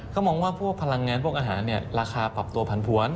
ก็มองว่าพวกพลังงานพวกอาหารราคาปรับตัวผันผวน